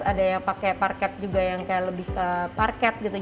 ada yang pakai parket juga yang kayak lebih ke parket gitu